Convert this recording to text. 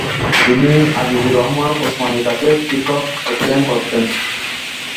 তিনি আজিজুর রহমান উসমানির কাছে ফিকহ অধ্যয়ন করতেন।